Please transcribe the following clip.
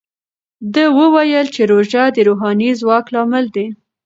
ده وویل چې روژه د روحاني ځواک لامل دی.